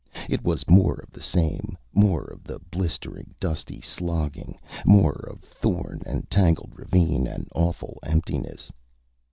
It was more of the same, more of the blistering, dusty slogging, more of thorn and tangled ravine and awful emptiness.